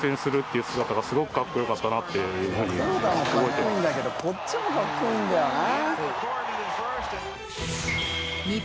「黒田も格好いいんだけどこっちも格好いいんだよな」